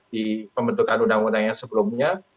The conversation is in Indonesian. di pembentukan undang undang yang sebelumnya